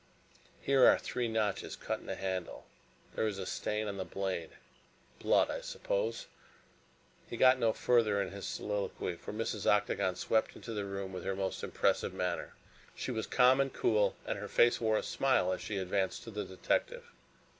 Here are three notches cut in the handle there is a stain on the blade blood, I suppose." He got no further in his soliloquy, for Mrs. Octagon swept into the room in her most impressive manner. She was calm and cool, and her face wore a smile as she advanced to the detective.